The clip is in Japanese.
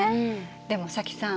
でも早紀さん